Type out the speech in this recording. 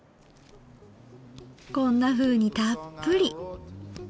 こんなふうにたっぷり。